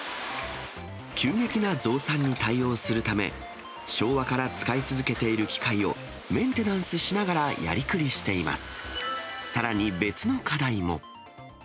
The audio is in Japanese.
急激な増産に対応するため、昭和から使い続けている機械を、メンテナンスしながらやりくりしています。